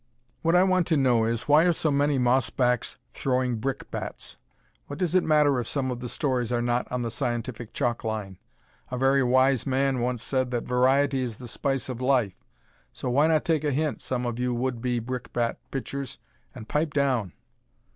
What I want to know is, why are so many mossbacks throwing brickbats? What does it matter if some of the stories are not on the scientific chalk line? A very wise man once said that "Variety is the spice of life," so why not take a hint, some of you would be brickbat pitchers, and pipe down?